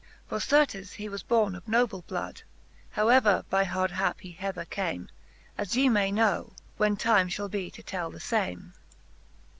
For certes he was borne of noble blood,. How ever by hard hap he hether came ; As ye may know, when time fhall be to tell the fame.